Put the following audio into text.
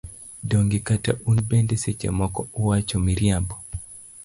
Donge kata un bende seche moko uwacho miriambo.